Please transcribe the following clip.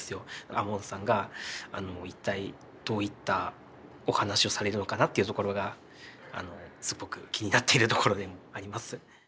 亞門さんが一体どういったお話をされるのかなというところがすごく気になっているところでもありますね。